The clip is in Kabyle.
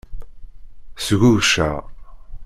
Sgugceɣ.